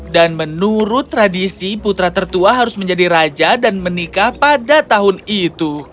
dan menurut tradisi putra tertua harus menjadi raja dan menikah pada tahun itu